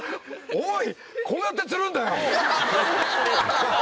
おい！